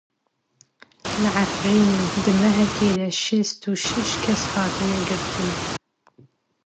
Li Efrînê di mehekê de şêst û şeş kes hatine girtin.